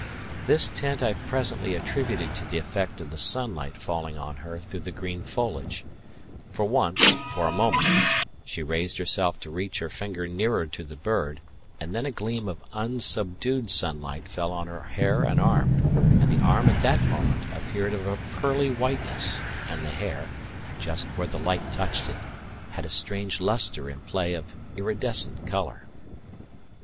This tint I presently attributed to the effect of the sunlight falling on her through the green foliage; for once, for a moment, she raised herself to reach her finger nearer to the bird, and then a gleam of unsubdued sunlight fell on her hair and arm, and the arm at that moment appeared of a pearly whiteness, and the hair, just where the light touched it, had a strange lustre and play of iridescent colour.